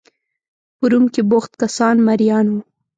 په روم کې بوخت کسان مریان وو.